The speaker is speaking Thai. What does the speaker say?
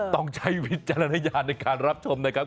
ต้องใช้วิจารณญาณในการรับชมนะครับ